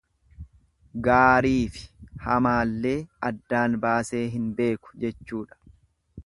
Gaariifi hamaallee addaan baasee hin beeku jechuudha.